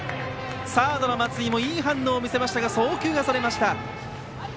サードの松井もいい反応を見せましたが送球がそれました。